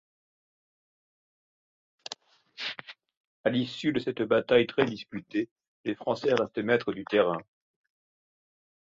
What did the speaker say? À l'issue de cette bataille très disputée, les Français restent maître du terrain.